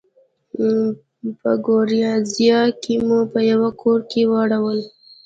په ګوریزیا کې مو په یوه کور کې واړول.